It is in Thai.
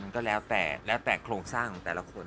ก็แล้วแต่โครงสร้างของแต่ละคน